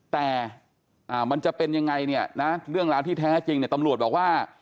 แต่มันจะเป็นอย่างไรเรื่องราวที่แท้จริงตำรวจบอกว่า